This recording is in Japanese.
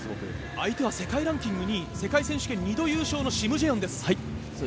相手は世界ランキング２位世界選手権２度優勝のシム・ジェヨンです。